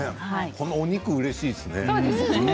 このお肉うれしいですね。